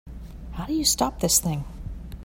How do you stop this thing?